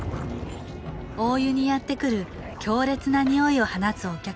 大湯にやってくる強烈なにおいを放つお客